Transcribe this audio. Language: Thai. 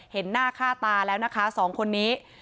เห็นหน้าค่าตาแล้วนะคะสองคนนี้